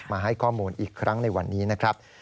มาให้ข้อมูลอีกครั้งในวันนี้นะครับ